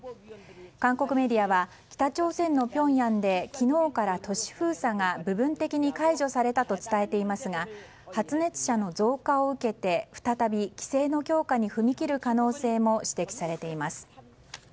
韓国メディアは北朝鮮のピョンヤンで昨日から都市封鎖が部分的に解除されたと伝えていますが発熱者の増加を受けて、再び規制の強化に踏み切る可能性も指摘されています。